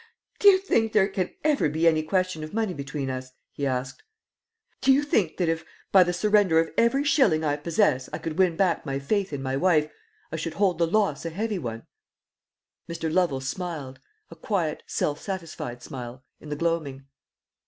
"Do you think there can ever be any question of money between us?" he asked. "Do you think that if, by the surrender of every shilling I possess, I could win back my faith in my wife, I should hold the loss a heavy one?" Mr. Lovel smiled, a quiet, self satisfied smile, in the gloaming.